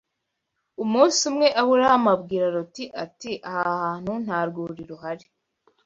Umunsi umwe Aburahamu abwira Loti ati aha hantu nta rwuri ruhari